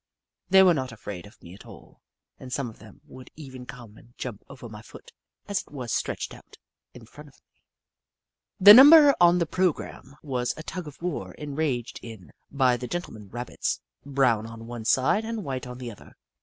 They were not afraid of me at all, and some of them would even come and jump over my foot as it was stretched out in front of me. The first number on the programme was a tug of war engaged in by the gentlemen Rab bits, brown on one side and white on the other.